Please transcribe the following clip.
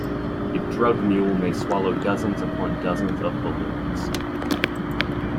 A drug mule may swallow dozens upon dozens of balloons.